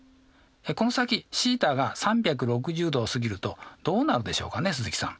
この先θが３６０°を過ぎるとどうなるでしょうかね鈴木さん。